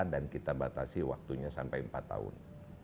dan kita batasi waktunya sampai empat tahun